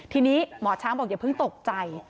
ทีนี้หมอช้างบอกอย่าเพิ่งตกใจ